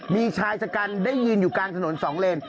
มีชายชะกันได้ยืนอยู่กลางถนน๒เลน